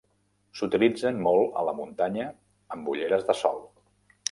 S'utilitzen molt a la muntanya, amb ulleres de sol.